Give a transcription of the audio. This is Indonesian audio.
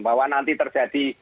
bahwa nanti terjadi